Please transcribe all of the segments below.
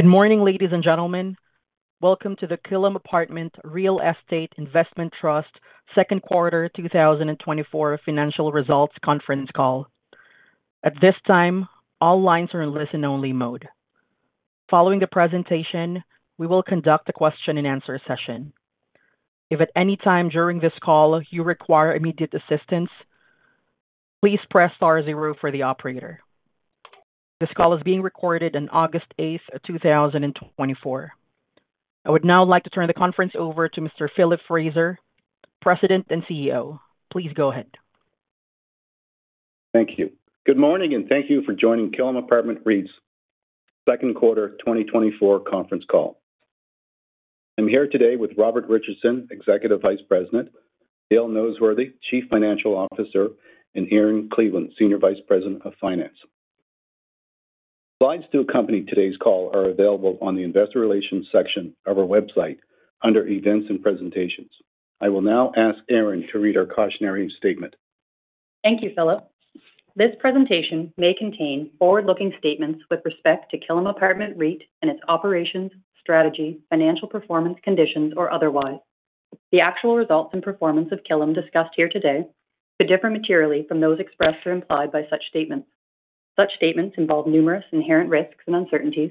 Good morning, ladies and gentlemen. Welcome to the Killam Apartment Real Estate Investment Trust second quarter, 2024 financial results conference call. At this time, all lines are in listen-only mode. Following the presentation, we will conduct a question-and-answer session. If at any time during this call you require immediate assistance, please press star zero for the operator. This call is being recorded on August 8, 2024. I would now like to turn the conference over to Mr. Philip Fraser, President and CEO. Please go ahead. Thank you. Good morning, and thank you for joining Killam Apartment REIT's second quarter 2024 conference call. I'm here today with Robert Richardson, Executive Vice President, Dale Noseworthy, Chief Financial Officer, and Erin Cleveland, Senior Vice President of Finance. Slides to accompany today's call are available on the investor relations section of our website under Events and Presentations. I will now ask Erin to read our cautionary statement. Thank you, Philip. This presentation may contain forward-looking statements with respect to Killam Apartment REIT and its operations, strategy, financial performance, conditions, or otherwise. The actual results and performance of Killam discussed here today could differ materially from those expressed or implied by such statements. Such statements involve numerous inherent risks and uncertainties,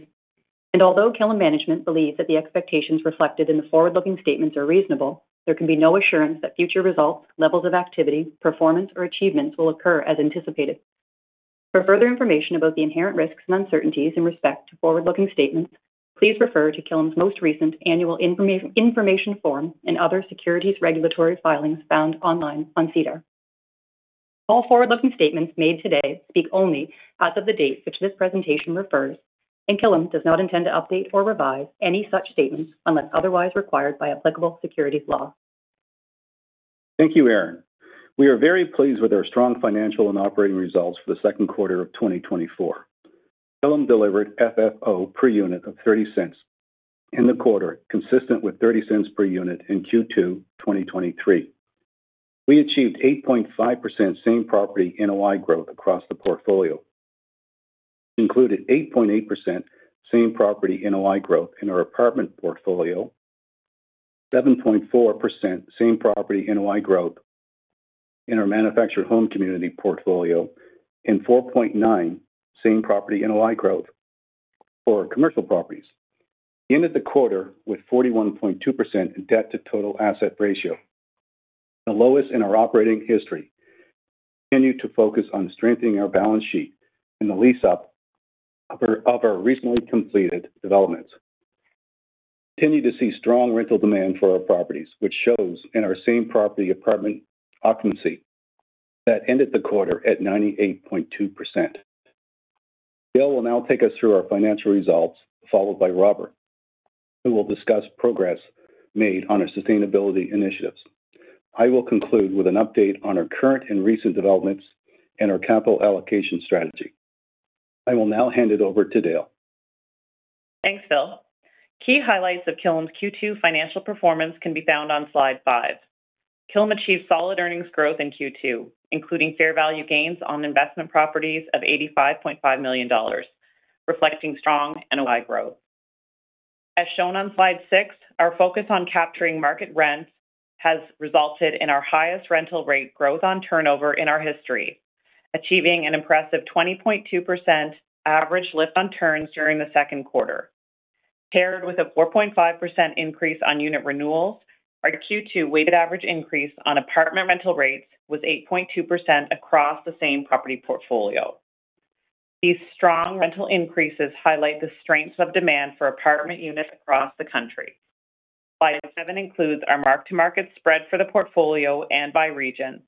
and although Killam management believes that the expectations reflected in the forward-looking statements are reasonable, there can be no assurance that future results, levels of activity, performance, or achievements will occur as anticipated. For further information about the inherent risks and uncertainties in respect to forward-looking statements, please refer to Killam's most recent annual information form and other securities regulatory filings found online on SEDAR. All forward-looking statements made today speak only as of the date which this presentation refers, and Killam does not intend to update or revise any such statements unless otherwise required by applicable securities law. Thank you, Erin. We are very pleased with our strong financial and operating results for the second quarter of 2024. Killam delivered FFO per unit of 0.30 in the quarter, consistent with 0.30 per unit in Q2 2023. We achieved 8.5% same property NOI growth across the portfolio, including 8.8% same property NOI growth in our apartment portfolio, 7.4% same property NOI growth in our manufactured home community portfolio, and 4.9% same property NOI growth for commercial properties. We ended the quarter with 41.2% debt to total asset ratio, the lowest in our operating history. Continue to focus on strengthening our balance sheet and the lease up of our recently completed developments. Continue to see strong rental demand for our properties, which shows in our same property apartment occupancy that ended the quarter at 98.2%. Dale will now take us through our financial results, followed by Robert, who will discuss progress made on our sustainability initiatives. I will conclude with an update on our current and recent developments and our capital allocation strategy. I will now hand it over to Dale. Thanks, Phil. Key highlights of Killam's Q2 financial performance can be found on slide 5. Killam achieved solid earnings growth in Q2, including fair value gains on investment properties of 85.5 million dollars, reflecting strong NOI growth. As shown on slide 6, our focus on capturing market rents has resulted in our highest rental rate growth on turnover in our history, achieving an impressive 20.2% average lift on turns during the second quarter. Paired with a 4.5% increase on unit renewals, our Q2 weighted average increase on apartment rental rates was 8.2% across the same property portfolio. These strong rental increases highlight the strengths of demand for apartment units across the country. Slide 7 includes our mark-to-market spread for the portfolio and by region,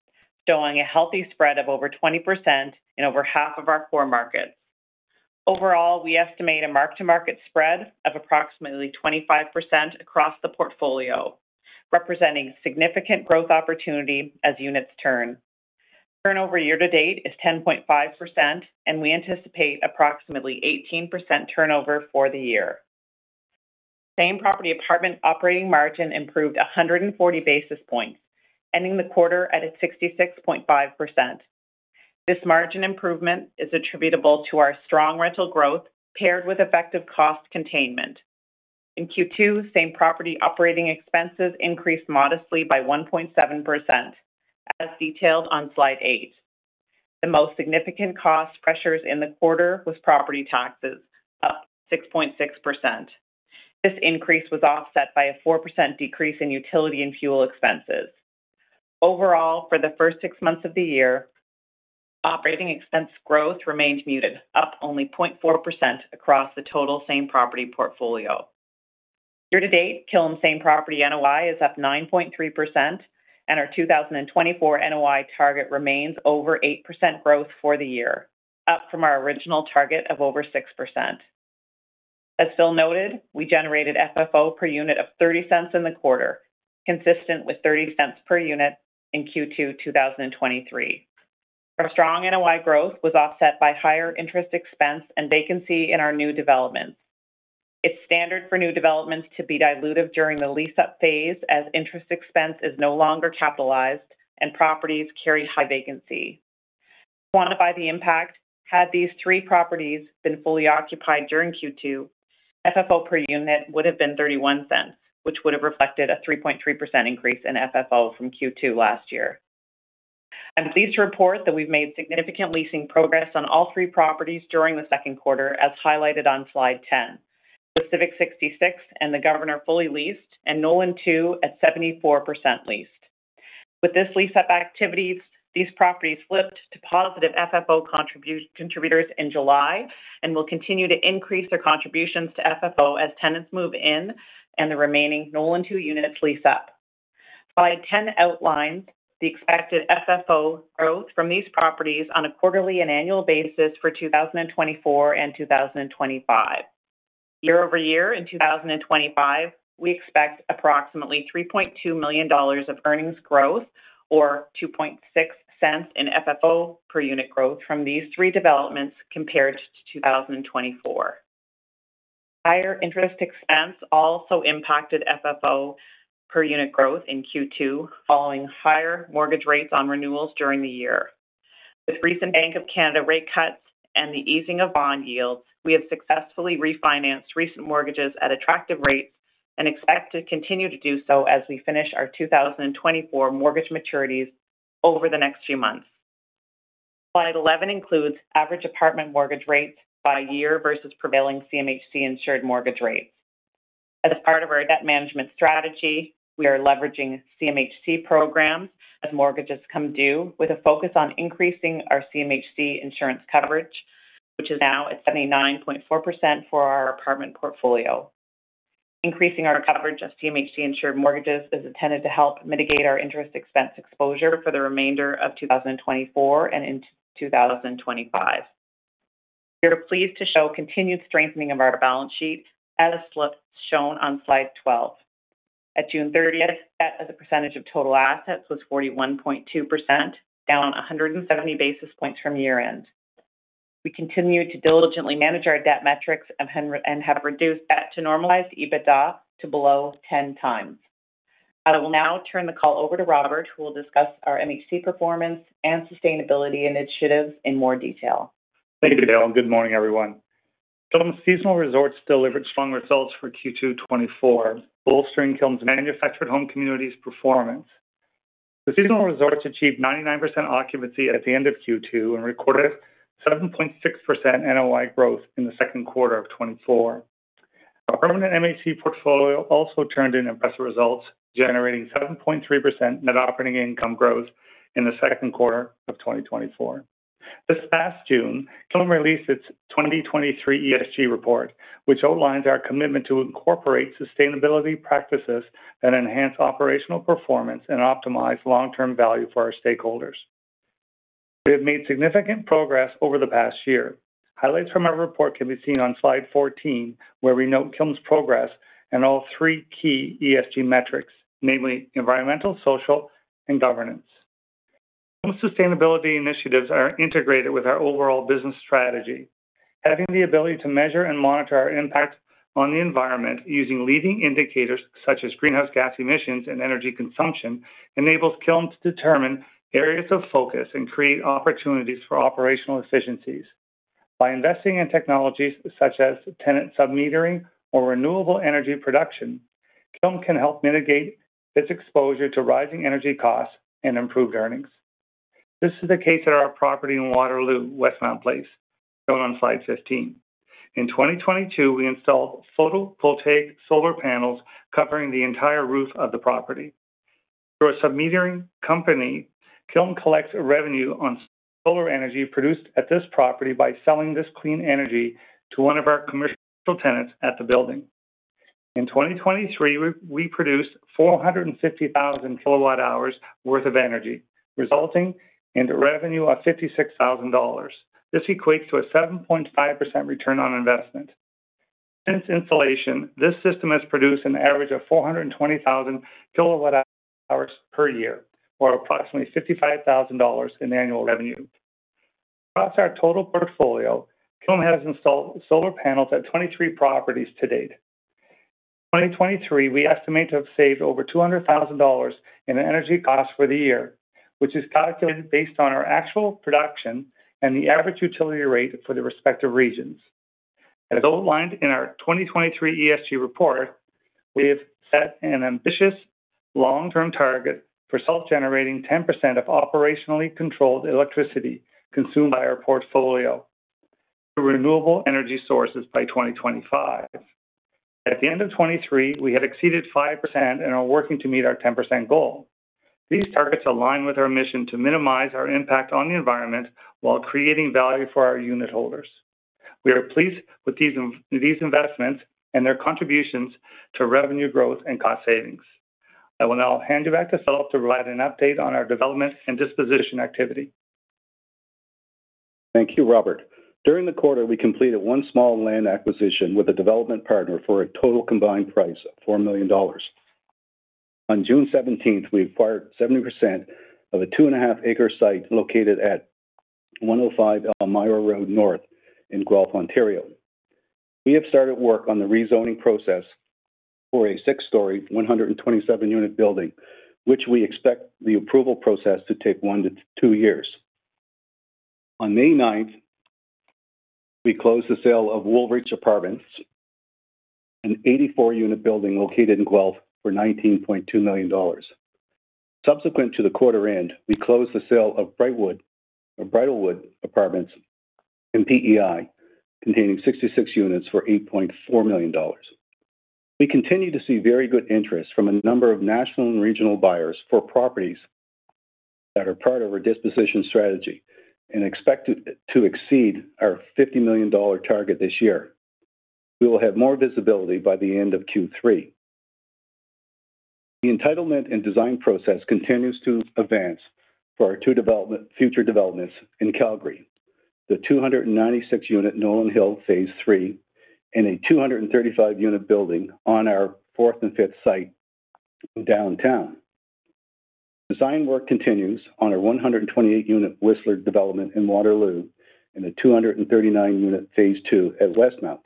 showing a healthy spread of over 20% in over half of our core markets. Overall, we estimate a mark-to-market spread of approximately 25% across the portfolio, representing significant growth opportunity as units turn. Turnover year to date is 10.5%, and we anticipate approximately 18% turnover for the year. Same property apartment operating margin improved 140 basis points, ending the quarter at a 66.5%. This margin improvement is attributable to our strong rental growth, paired with effective cost containment. In Q2, same property operating expenses increased modestly by 1.7%, as detailed on Slide 8. The most significant cost pressures in the quarter was property taxes, up 6.6%. This increase was offset by a 4% decrease in utility and fuel expenses. Overall, for the first six months of the year, operating expense growth remained muted, up only 0.4% across the total same property portfolio. Year to date, Killam same property NOI is up 9.3%, and our 2024 NOI target remains over 8% growth for the year, up from our original target of over 6%. As Phil noted, we generated FFO per unit of 0.30 in the quarter, consistent with 0.30 per unit in Q2 2023. Our strong NOI growth was offset by higher interest expense and vacancy in our new developments. It's standard for new developments to be dilutive during the lease-up phase, as interest expense is no longer capitalized and properties carry high vacancy.... Quantify the impact. Had these three properties been fully occupied during Q2, FFO per unit would have been 0.31, which would have reflected a 3.3% increase in FFO from Q2 last year. I'm pleased to report that we've made significant leasing progress on all three properties during the second quarter, as highlighted on slide 10. The Civic 66 and The Governor fully leased, and Nolan Two at 74% leased. With this lease-up activities, these properties flipped to positive FFO contributors in July and will continue to increase their contributions to FFO as tenants move in and the remaining Nolan Two units lease up. Slide 10 outlines the expected FFO growth from these properties on a quarterly and annual basis for 2024 and 2025. Year-over-year in 2025, we expect approximately 3.2 million dollars of earnings growth or 0.026 in FFO per unit growth from these three developments compared to 2024. Higher interest expense also impacted FFO per unit growth in Q2, following higher mortgage rates on renewals during the year. With recent Bank of Canada rate cuts and the easing of bond yields, we have successfully refinanced recent mortgages at attractive rates and expect to continue to do so as we finish our 2024 mortgage maturities over the next few months. Slide 11 includes average apartment mortgage rates by year versus prevailing CMHC insured mortgage rates. As part of our debt management strategy, we are leveraging CMHC programs as mortgages come due, with a focus on increasing our CMHC insurance coverage, which is now at 79.4% for our apartment portfolio. Increasing our coverage of CMHC insured mortgages is intended to help mitigate our interest expense exposure for the remainder of 2024 and in 2025. We are pleased to show continued strengthening of our balance sheet as shown on slide 12. At June thirtieth, debt as a percentage of total assets was 41.2%, down 170 basis points from year-end. We continue to diligently manage our debt metrics and have reduced debt to normalized EBITDA to below 10 times. I will now turn the call over to Robert, who will discuss our MHC performance and sustainability initiatives in more detail. Thank you, Dale, and good morning, everyone. Killam Seasonal Resorts delivered strong results for Q2 2024, bolstering Killam's manufactured home communities performance. The seasonal resorts achieved 99% occupancy at the end of Q2 and recorded 7.6% NOI growth in the second quarter of 2024. Our permanent MHC portfolio also turned in impressive results, generating 7.3% net operating income growth in the second quarter of 2024. This past June, Killam released its 2023 ESG report, which outlines our commitment to incorporate sustainability practices that enhance operational performance and optimize long-term value for our stakeholders. We have made significant progress over the past year. Highlights from our report can be seen on slide 14, where we note Killam's progress in all three key ESG metrics, namely environmental, social, and governance. Killam's sustainability initiatives are integrated with our overall business strategy. Having the ability to measure and monitor our impact on the environment using leading indicators such as greenhouse gas emissions and energy consumption, enables Killam to determine areas of focus and create opportunities for operational efficiencies. By investing in technologies such as tenant sub-metering or renewable energy production, Killam can help mitigate its exposure to rising energy costs and improved earnings. This is the case at our property in Waterloo, Westmount Place, shown on slide 15. In 2022, we installed photovoltaic solar panels covering the entire roof of the property. Through a sub-metering company, Killam collects a revenue on solar energy produced at this property by selling this clean energy to one of our commercial tenants at the building. In 2023, we produced 450,000 kWh worth of energy, resulting in the revenue of 56,000 dollars. This equates to a 7.5 return on investment. Since installation, this system has produced an average of 420,000 kWh per year, or approximately 55,000 dollars in annual revenue. Across our total portfolio, Killam has installed solar panels at 23 properties to date. In 2023, we estimate to have saved over 200,000 dollars in energy costs for the year, which is calculated based on our actual production and the average utility rate for the respective regions. As outlined in our 2023 ESG report, we have set an ambitious long-term target for self-generating 10% of operationally controlled electricity consumed by our portfolio through renewable energy sources by 2025. At the end of twenty-three, we had exceeded 5% and are working to meet our 10% goal. These targets align with our mission to minimize our impact on the environment while creating value for our unitholders. We are pleased with these investments and their contributions to revenue growth and cost savings. I will now hand you back to Philip to provide an update on our development and disposition activity. Thank you, Robert. During the quarter, we completed 1 small land acquisition with a development partner for a total combined price of 4 million dollars. On June seventeenth, we acquired 70% of a 2.5-acre site located at 105 Elmira Road North in Guelph, Ontario. We have started work on the rezoning process for a 6-story, 127-unit building, which we expect the approval process to take 1-2 years. On May ninth, we closed the sale of Woolwich Apartments, an 84-unit building located in Guelph, for 19.2 million dollars. Subsequent to the quarter end, we closed the sale of Bridlewood Apartments in PEI, containing 66 units for 8.4 million dollars. We continue to see very good interest from a number of national and regional buyers for properties that are part of our disposition strategy and expect to exceed our 50 million dollar target this year. We will have more visibility by the end of Q3. The entitlement and design process continues to advance for our two future developments in Calgary. The 296-unit Nolan Hill, phase three, and a 235-unit building on our fourth and fifth site downtown. Design work continues on our 128-unit Whistler development in Waterloo and a 239-unit phase two at Westmount.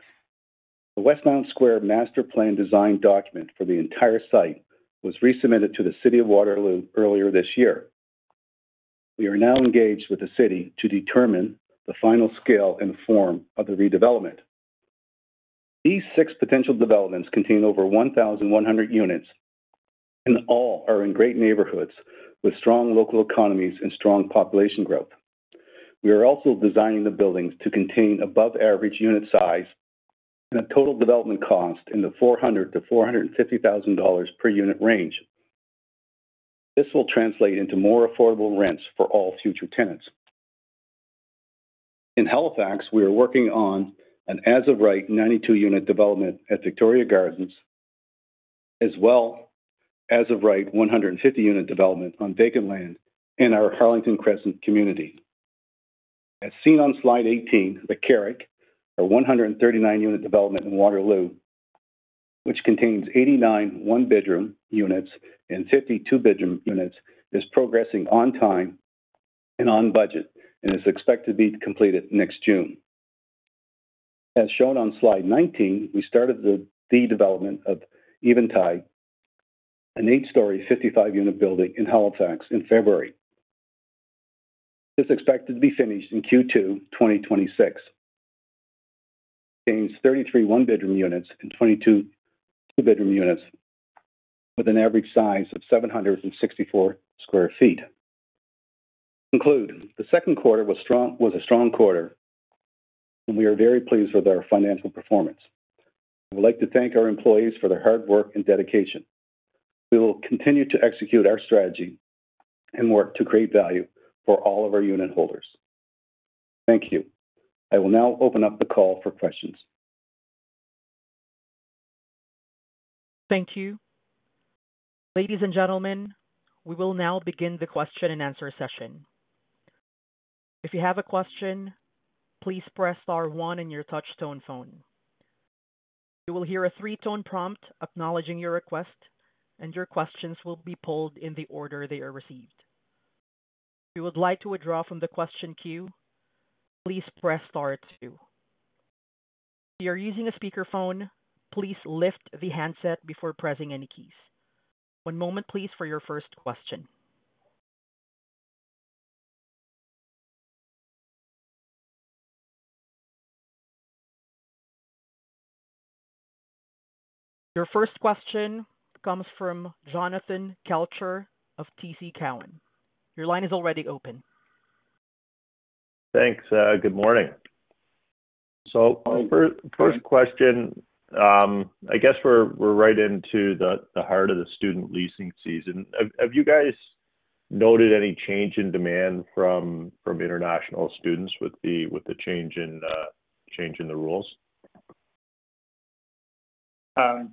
The Westmount Square master plan design document for the entire site was resubmitted to the City of Waterloo earlier this year. We are now engaged with the city to determine the final scale and form of the redevelopment. These six potential developments contain over 1,100 units, and all are in great neighborhoods with strong local economies and strong population growth. We are also designing the buildings to contain above average unit size and a total development cost in the 400,000-450,000 dollars per unit range. This will translate into more affordable rents for all future tenants. In Halifax, we are working on an as of right 92-unit development at Victoria Gardens, as well as of right 150-unit development on vacant land in our Harlington Crescent community. As seen on slide 18, The Carrick, a 139-unit development in Waterloo, which contains 89 one-bedroom units and 50 two-bedroom units, is progressing on time and on budget and is expected to be completed next June. As shown on slide 19, we started the development of Eventide, an eight-story, 55-unit building in Halifax in February. This is expected to be finished in Q2 2026. Contains 33 one-bedroom units and 22 two-bedroom units with an average size of 764 sq ft. To conclude, the second quarter was strong, was a strong quarter, and we are very pleased with our financial performance. I would like to thank our employees for their hard work and dedication. We will continue to execute our strategy and work to create value for all of our unitholders. Thank you. I will now open up the call for questions. Thank you. Ladies and gentlemen, we will now begin the question and answer session. If you have a question, please press star one on your touchtone phone. You will hear a three-tone prompt acknowledging your request, and your questions will be polled in the order they are received. If you would like to withdraw from the question queue, please press star two. If you are using a speakerphone, please lift the handset before pressing any keys. One moment please, for your first question. Your first question comes from Jonathan Kelcher of TD Cowen. Your line is already open. Thanks, good morning. So first question. I guess we're right into the heart of the student leasing season. Have you guys noted any change in demand from international students with the change in the rules?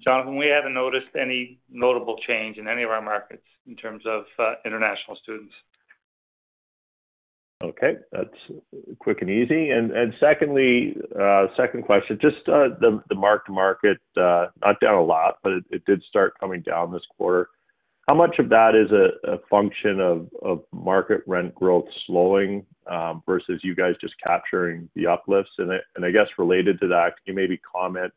Jonathan, we haven't noticed any notable change in any of our markets in terms of, international students. Okay. That's quick and easy. And secondly, second question, just the mark-to-market, not down a lot, but it did start coming down this quarter. How much of that is a function of market rent growth slowing versus you guys just capturing the uplifts? And I guess related to that, can you maybe comment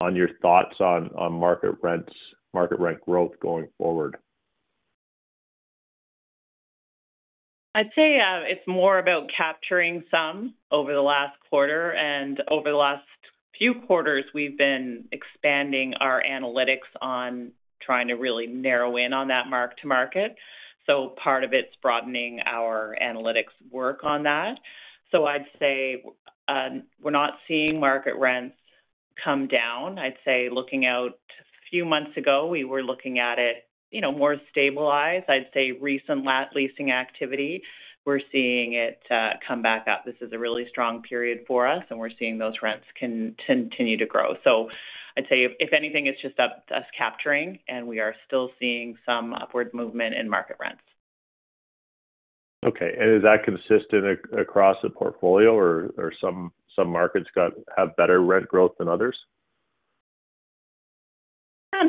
on your thoughts on market rents, market rent growth going forward? I'd say, it's more about capturing some over the last quarter and over the last few quarters, we've been expanding our analytics on trying to really narrow in on that mark-to-market. So part of it's broadening our analytics work on that. So I'd say, we're not seeing market rents come down. I'd say looking out a few months ago, we were looking at it, you know, more stabilized. I'd say recent leasing activity, we're seeing it, come back up. This is a really strong period for us, and we're seeing those rents continue to grow. So I'd say if anything, it's just up us capturing, and we are still seeing some upward movement in market rents. Okay. And is that consistent across the portfolio or some markets have better rent growth than others?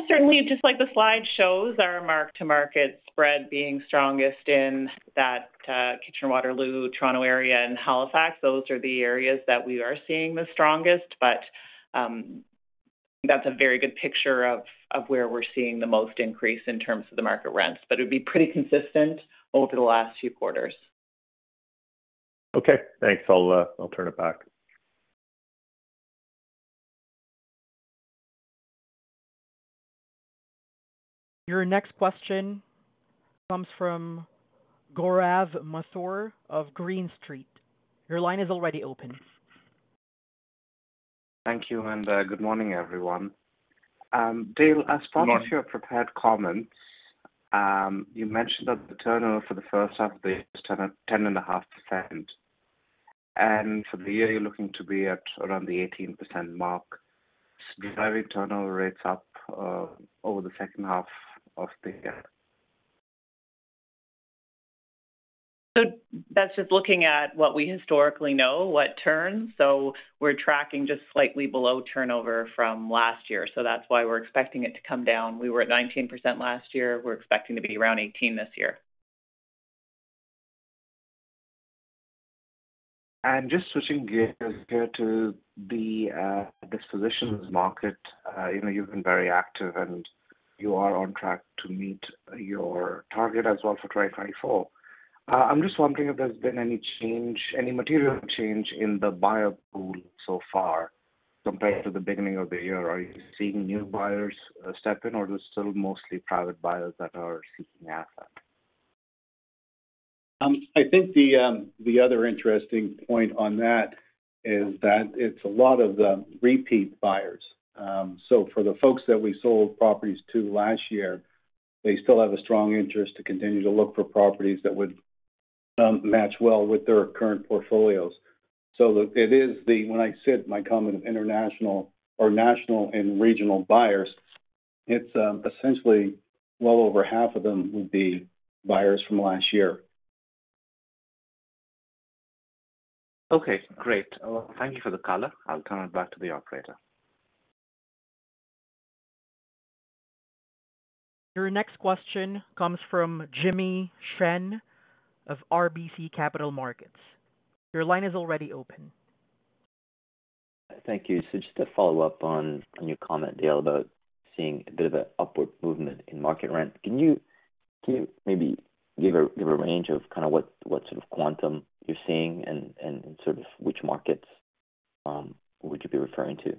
Certainly, just like the slide shows, our mark-to-market spread being strongest in that Kitchener-Waterloo, Toronto area, and Halifax. Those are the areas that we are seeing the strongest. But that's a very good picture of where we're seeing the most increase in terms of the market rents, but it would be pretty consistent over the last few quarters. Okay, thanks. I'll, I'll turn it back. Your next question comes from Gaurav Mathur of Green Street. Your line is already open. Thank you, and good morning, everyone. Dale, as part of- Good morning. In your prepared comments, you mentioned that the turnover for the first half of the year is 10.5%, and for the year, you're looking to be at around the 18% mark. Drive turnover rates up over the second half of the year? That's just looking at what we historically know, what turns. We're tracking just slightly below turnover from last year, so that's why we're expecting it to come down. We were at 19% last year. We're expecting to be around 18% this year. Just switching gears here to the dispositions market. You know, you've been very active, and you are on track to meet your target as well for 2024. I'm just wondering if there's been any change, any material change in the buyer pool so far compared to the beginning of the year. Are you seeing new buyers step in, or is it still mostly private buyers that are seeking assets? I think the, the other interesting point on that is that it's a lot of the repeat buyers. So for the folks that we sold properties to last year, they still have a strong interest to continue to look for properties that would, match well with their current portfolios. So it is the—when I said my comment, international or national and regional buyers, it's, essentially well over half of them would be buyers from last year. Okay, great. Thank you for the color. I'll turn it back to the operator. Your next question comes from Jimmy Shan of RBC Capital Markets. Your line is already open. Thank you. So just to follow up on your comment, Dale, about seeing a bit of an upward movement in market rent, can you maybe give a range of kind of what sort of quantum you're seeing and sort of which markets would you be referring to?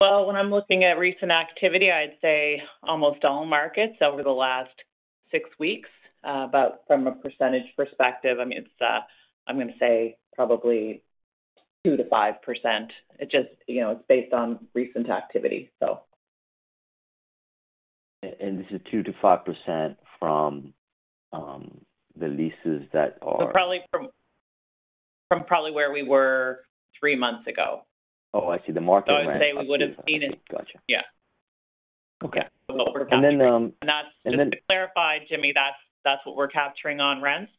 Well, when I'm looking at recent activity, I'd say almost all markets over the last six weeks. But from a percentage perspective, I mean, it's, I'm going to say probably 2%-5%. It just, you know, it's based on recent activity, so. and this is 2%-5% from the leases that are- So probably from probably where we were three months ago. Oh, I see. The market rent. I'd say we would have seen it. Gotcha. Yeah. Okay. And then, and that's- And then- Just to clarify, Jimmy, that's what we're capturing on rents.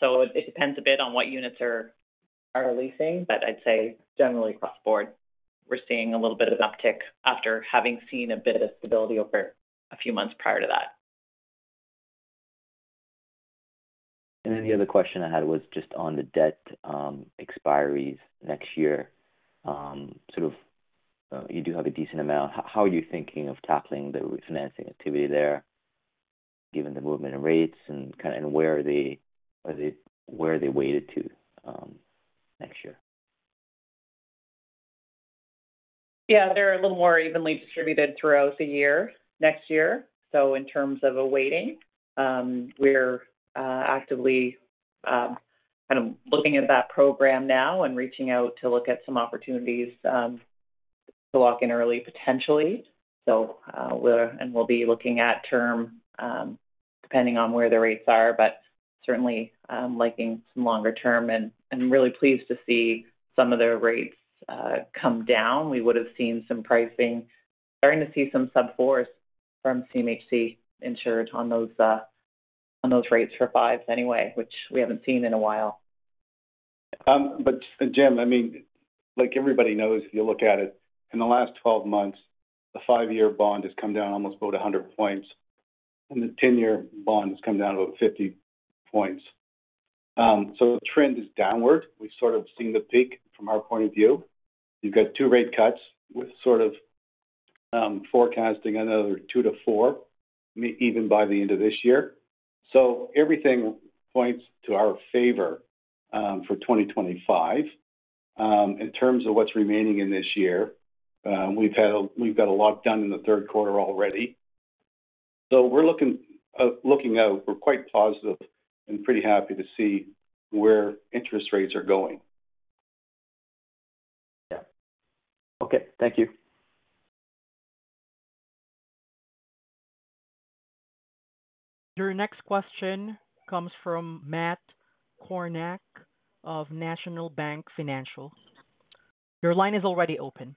So it depends a bit on what units are leasing, but I'd say generally across the board, we're seeing a little bit of an uptick after having seen a bit of stability over a few months prior to that. Then the other question I had was just on the debt expiries next year. You do have a decent amount. How are you thinking of tackling the refinancing activity there, given the movement in rates and kind of where are they weighted to next year? Yeah, they're a little more evenly distributed throughout the year, next year. So in terms of awaiting, we're actively kind of looking at that program now and reaching out to look at some opportunities to lock in early, potentially. So, we're and we'll be looking at term, depending on where the rates are, but certainly, I'm liking some longer term, and I'm really pleased to see some of the rates come down. We would have seen some pricing. Starting to see some sub-fours from CMHC insured on those, on those rates for fives anyway, which we haven't seen in a while. But Jim, I mean, like everybody knows, if you look at it, in the last 12 months, the 5-year bond has come down almost about 100 points, and the 10-year bond has come down about 50 points. So the trend is downward. We've sort of seen the peak from our point of view. You've got 2 rate cuts with sort of, forecasting another 2-4, even by the end of this year. So everything points to our favor, for 2025. In terms of what's remaining in this year, we've got a lot done in the third quarter already. So we're looking, looking out, we're quite positive and pretty happy to see where interest rates are going. Yeah. Okay, thank you. Your next question comes from Matt Kornack of National Bank Financial. Your line is already open.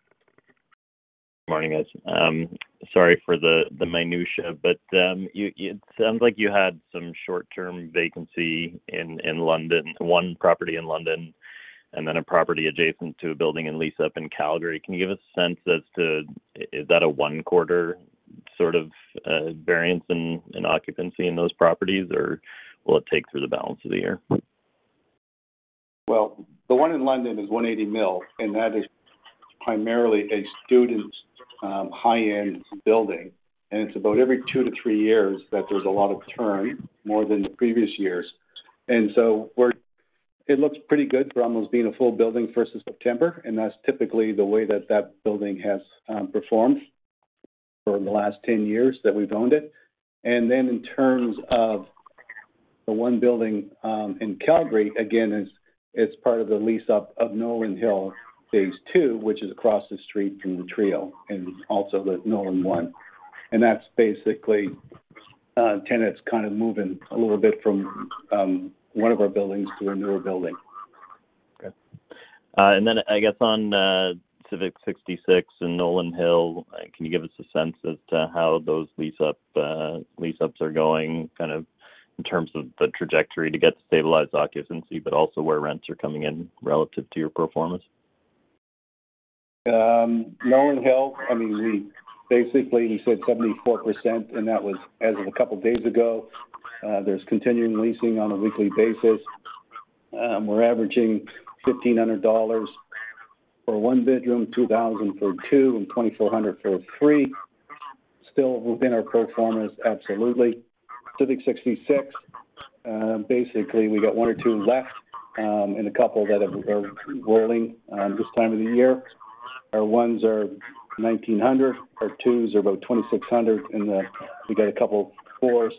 Morning, guys. Sorry for the minutiae, but it sounds like you had some short-term vacancy in London, one property in London, and then a property adjacent to a building in lease up in Calgary. Can you give us a sense as to, is that a one-quarter sort of variance in occupancy in those properties, or will it take through the balance of the year? Well, the one in London is 180 million, and that is primarily a student high-end building, and it's about every two to three years that there's a lot of turn, more than the previous years. And so it looks pretty good for almost being a full building first of September, and that's typically the way that that building has performed for the last 10 years that we've owned it. And then in terms of the one building in Calgary, again, it's part of the lease up of Nolan Hill, phase II, which is across the street from the Trio and also the Nolan One. And that's basically tenants kind of moving a little bit from one of our buildings to a newer building. Okay. And then, I guess on, Civic 66 and Nolan Hill, can you give us a sense as to how those lease-ups are going, kind of in terms of the trajectory to get to stabilized occupancy, but also where rents are coming in relative to your pro formas? Nolan Hill, I mean, we basically, we said 74%, and that was as of a couple of days ago. There's continuing leasing on a weekly basis. We're averaging 1,500 dollars for a one-bedroom, 2,000 for two and 2,400 for three. Still within our pro formas, absolutely. Civic 66, basically, we got one or two left, and a couple that are, are rolling, this time of the year. Our ones are 1,900, our twos are about 2,600, and, we got a couple of fours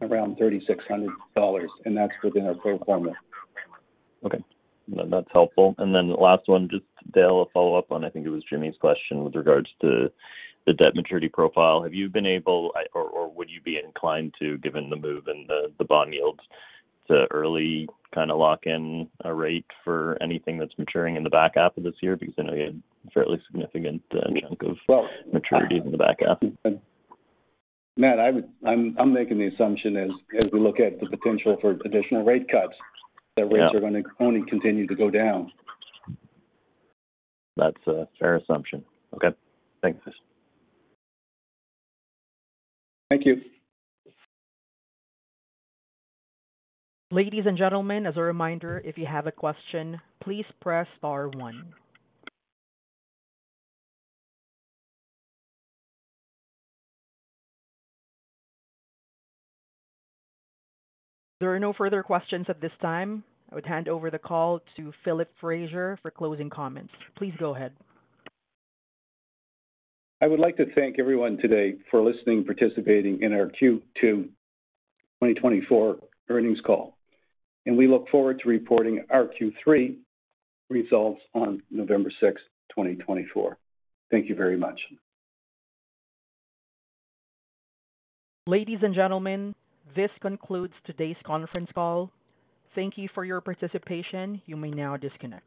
around 3,600 dollars, and that's within our pro forma. Okay, that's helpful. And then last one, just, Dale, a follow-up on, I think it was Jimmy's question with regards to the debt maturity profile. Have you been able, or would you be inclined to, given the move in the bond yields, to early kind of lock in a rate for anything that's maturing in the back half of this year? Because I know you had a fairly significant chunk of maturity in the back half. Matt, I'm making the assumption as we look at the potential for additional rate cuts, that rates are going to only continue to go down. That's a fair assumption. Okay, thanks. Thank you. Ladies and gentlemen, as a reminder, if you have a question, please press star one. There are no further questions at this time. I would hand over the call to Philip Fraser for closing comments. Please go ahead. I would like to thank everyone today for listening and participating in our Q2 2024 earnings call, and we look forward to reporting our Q3 results on November 6, 2024. Thank you very much. Ladies and gentlemen, this concludes today's conference call. Thank you for your participation. You may now disconnect.